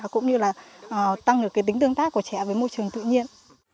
cũng như là tăng được tính tương tác của trẻ với môi trường tự nhiên